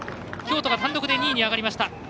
京都が単独で２位に上がりました。